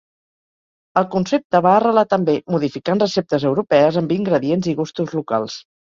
El concepte va arrelar també, modificant receptes europees amb ingredients i gustos locals.